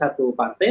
dengan satu partai